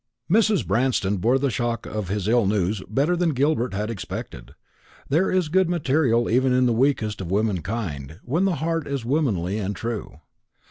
Mrs. Branston bore the shock of his ill news better than Gilbert had expected. There is good material even in the weakest of womankind when the heart is womanly and true.